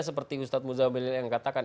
seperti ustaz muzamil yang katakan